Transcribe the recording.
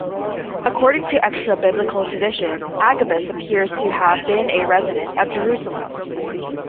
According to extra-biblical tradition, Agabus appears to have been a resident of Jerusalem.